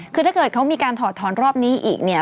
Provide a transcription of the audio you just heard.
คือถ้าเกิดเขามีการถอดถอนรอบนี้อีกเนี่ย